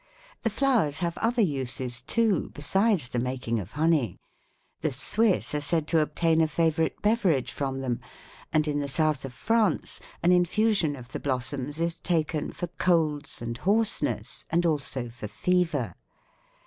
The flowers have other uses, too, besides the making of honey: the Swiss are said to obtain a favorite beverage from them, and in the South of France an infusion of the blossoms is taken for colds and hoarseness, and also for fever.